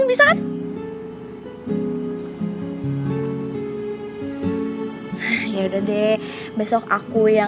juga keadaan warmernya